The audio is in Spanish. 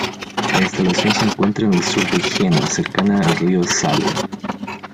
La instalación se encuentra en el sur de Jena, cercana al río Saale.